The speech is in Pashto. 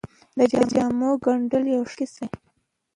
د جامو ګنډل یو ښه کسب دی